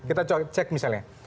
kita cek misalnya